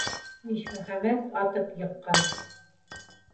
Ишмөхәмәт атып йыккан